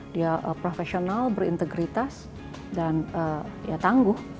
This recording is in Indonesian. dia profesional berintegritas dan ya tangguh